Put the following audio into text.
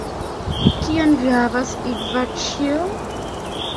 Kion vi havas Ivaĉjo?